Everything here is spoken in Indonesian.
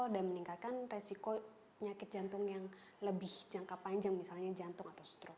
dan meningkatkan resiko penyakit jantung yang lebih jangka panjang misalnya jantung atau strok